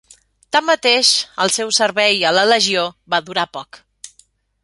Tanmateix, el seu servei a la Legió va durar poc.